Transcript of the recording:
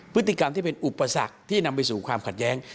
พฤติกรรมที่เป็นอุปสรรคที่นำไปสู่ความขัดแย้ง